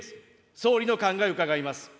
総理の考えを伺います。